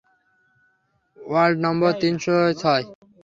Word number তিন শ ছয়।